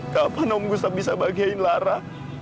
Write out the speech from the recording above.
kapan om gus bisa bahagiain lara